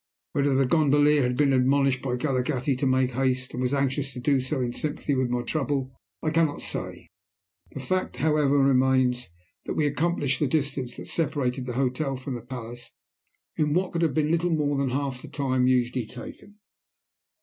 Whether the gondolier had been admonished by Galaghetti to make haste, and was anxious to do so in sympathy with my trouble, I cannot say; the fact, however, remains that we accomplished the distance that separated the hotel from the palace in what could have been little more than half the time usually taken.